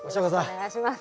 お願いします。